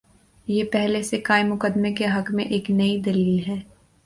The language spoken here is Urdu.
یہ پہلے سے قائم مقدمے کے حق میں ایک نئی دلیل ہے۔